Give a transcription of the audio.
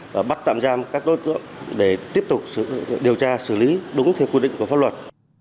và bắt tạm giam các đối tượng để tiếp tục điều tra xử lý đúng theo quy định của pháp luật